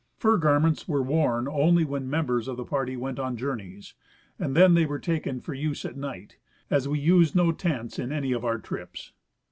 Fur garments were worn only when the members of the party went on journeys, and then they were taken for use at night, as Ave used no tents in any of our trips.